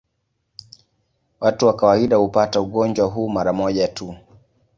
Watu kwa kawaida hupata ugonjwa huu mara moja tu.